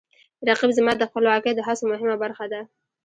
رقیب زما د خپلواکۍ د هڅو مهمه برخه ده